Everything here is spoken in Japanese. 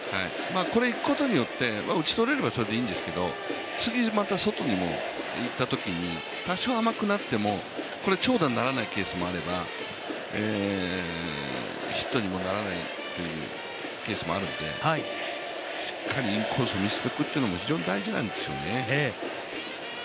これをいくことによって打ち取れればいいんですけど次また外にもいったときに、多少甘くなっても長打にならないケースもあれば、ヒットにもならないケースもあるのでしっかりインコース見せておくというのも非常に大事なんですよね。